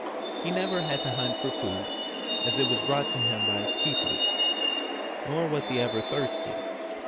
He never had to hunt for food, as it was brought to him by the keepers. Nor was he ever thirsty.